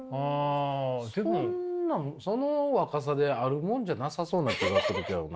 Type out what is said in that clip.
そんなんその若さであるもんじゃなさそうな気がするけどな。